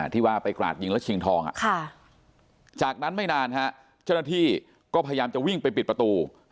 ที่ว่าไปกราดยิงแล้วชิงทองจากนั้นไม่นานเจ้าหน้าที่ก็พยายามจะวิ่งไปปิดประตู